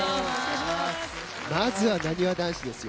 まずは、なにわ男子ですよ。